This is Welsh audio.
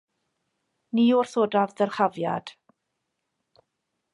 Ni wrthodaf ddyrchafiad.